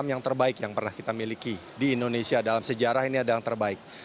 yang terbaik yang pernah kita miliki di indonesia dalam sejarah ini adalah yang terbaik